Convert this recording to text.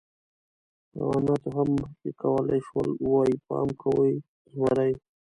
حیواناتو مخکې هم کولی شول، ووایي: «پام کوئ، زمری!».